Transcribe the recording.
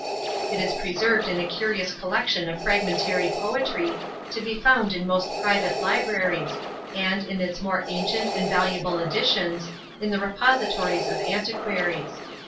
It is preserved in a curious collection of fragmentary poetry, to be found in most private libraries, and, in its more ancient and valuable editions, in the repositories of antiquaries.